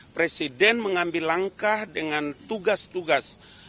presiden mengambil langkah dengan tugas tugas